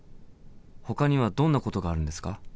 ほかにはどんなことがあるんですか？